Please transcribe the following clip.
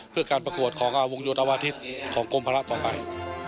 เพื่อการประกวดของวงโยธวาทิศของกรมภาระต่อไป